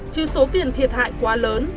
chứ số tiền thiệt hại quá lớn